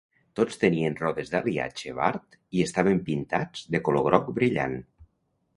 Tots tenien rodes d'aliatge Ward i estaven pintats de color groc brillant.